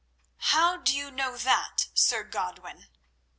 "How do you know that, Sir Godwin?"